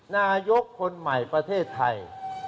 นายกคนใหม่ประเทศไทย